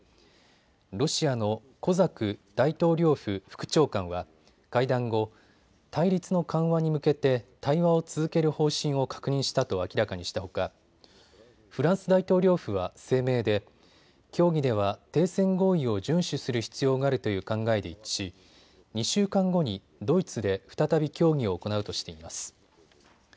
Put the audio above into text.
ロシアのコザク大統領府副長官は会談後、対立の緩和に向けて対話を続ける方針を確認したと明らかにしたほかフランス大統領府は声明で協議では停戦合意を順守する必要があるという考えで一致し２週間後にドイツで再び協議を行うとしています。